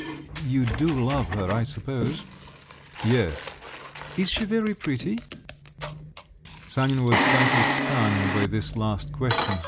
You do love her, I suppose?" "Yes." "Is she very pretty?" Sanin was slightly stung by this last question….